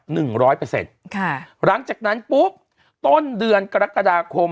หลังจากนั้นปุ๊บต้นเดือนกรกฎาคม